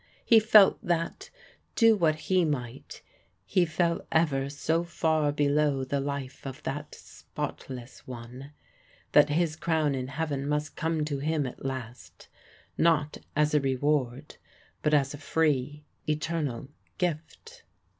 He felt that, do what he might, he fell ever so far below the life of that spotless One that his crown in heaven must come to him at last, not as a reward, but as a free, eternal gift.